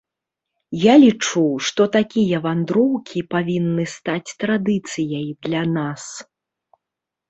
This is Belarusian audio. Я лічу, што такія вандроўкі павінны стаць традыцыяй для нас.